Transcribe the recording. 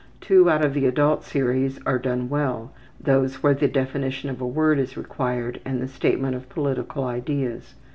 Two out of the adult series are done well those where the definition of a word is required and the statement of political ideas.